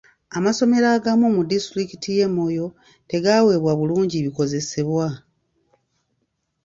Amasomero agamu mu disitulikiti y'e Moyo tegaweebwa bulungi bikozesebwa.